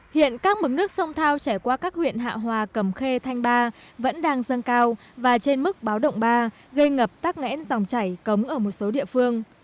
hiện các mức nước sông thao trải qua các huyện hạ hòa cầm khê thanh ba vẫn đang dâng cao và trên mức báo động ba gây ngập tắc ngẽn dòng chảy cấm ở một số địa phương